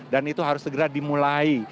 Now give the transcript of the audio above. dan itu harus segera dimulai